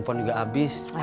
rasanya kepen highlights